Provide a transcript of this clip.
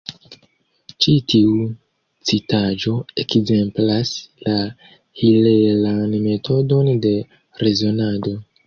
Ĉi tiu citaĵo ekzemplas la hilelan metodon de rezonado.